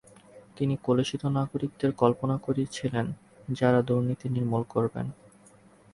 তিনি কলুষিত নাগরিকদের কল্পনা করেছিলেন যারা দুর্নীতি নির্মূল করবেন।